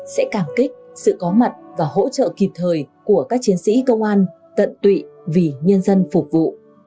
sẽ cảm kích sự có mặt và hỗ trợ kịp thời của các chiến sĩ công an tận tụy vì nhân dân phục vụ